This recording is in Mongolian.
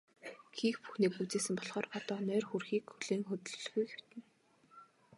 Хийх бүхнээ гүйцээсэн болохоор одоо нойр хүрэхийг хүлээн хөдлөлгүй хэвтэнэ.